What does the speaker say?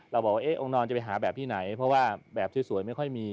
เราบอกว่าองค์นอนจะไปหาแบบที่ไหนเพราะว่าแบบสวยไม่ค่อยมี